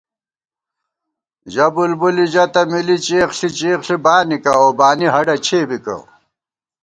ژہ بُلبُلی ژہ تہ مِلی چېخ ݪی چېخ ݪی بانِکہ اؤ بانی ہڈہ چھے بِکہ